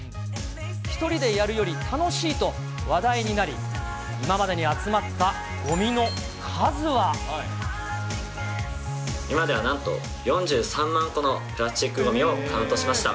１人でやるより楽しいと、話題になり、今ではなんと、４３万個のプラスチックごみをカウントしました。